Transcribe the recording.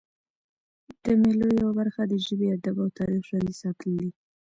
د مېلو یوه برخه د ژبي، ادب او تاریخ ژوندي ساتل دي.